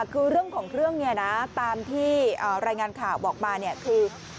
คือเรื่องของเรื่องเนี่ยนะตามที่รายงานข่าวบอกมาเนี่ยคือ